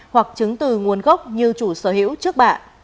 hoặc chứng từ nguồn gốc như chủ sở hữu trước bạ